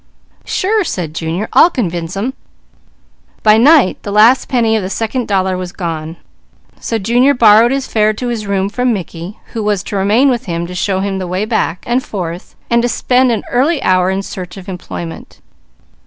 "Sure!" said Junior. "I'll convince them!" By night the last penny of the second dollar was gone, so Junior borrowed his fare to his room from Mickey, who was to remain with him to show him the way back and forth, and to spend an early hour in search of employment.